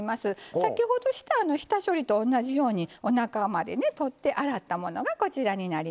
先ほどした下処理と同じようにおなかまで取って洗ったものがこちらになります。